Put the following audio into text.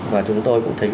và chúng tôi cũng thấy